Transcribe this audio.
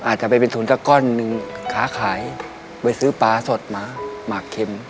ไอ่ตัวเล็กชอบกินอะไรลูกสาว